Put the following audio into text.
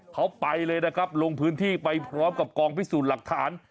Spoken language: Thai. เขาไปเลยนะครับลงพื้นที่ไปพร้อมกับกองพิสูจน์หลักฐาน